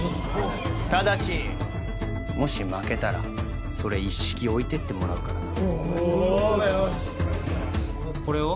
ただしもし負けたらそれ一式置いてってもらうからな・おお・よしよしよしこれを？